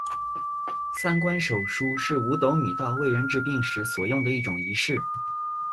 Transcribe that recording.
三官手书是五斗米道为人治病时所用的一种仪式。